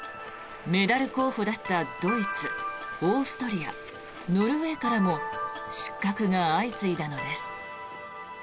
メダル候補だった、ドイツオーストリア、ノルウェーからも失格が相次いだのです。